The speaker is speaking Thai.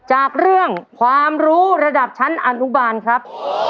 จากเรื่องความรู้ระดับชั้นอนุบาลครับ